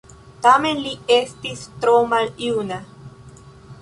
Tamen li estis tro maljuna.